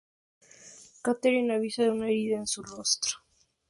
Catherine avisa de una herida en su rostro.